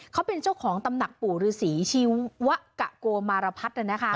เขาเป็นเจ้าของตำหนักปู่ฤษีชีวะกะโกมารพัฒน์